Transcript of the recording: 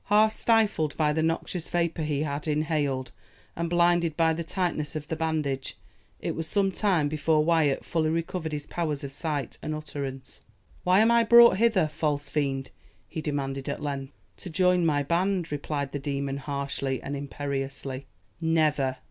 Half stifled by the noxious vapour he had inhaled, and blinded by the tightness of the bandage, it was some time before Wyat fully recovered his powers of sight and utterance. "Why am I brought hither, false fiend?" he demanded at length. "To join my band," replied the demon harshly and imperiously. "Never!"